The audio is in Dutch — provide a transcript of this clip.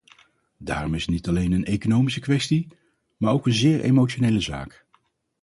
Daarom is het niet alleen een economische kwestie, maar ook een zeer emotionele zaak.